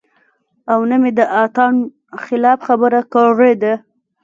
او نۀ مې د اتڼ خلاف خبره کړې ده -